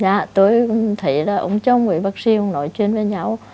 dạ tôi thấy là ông chồng với bác sĩ nói chuyện với nhau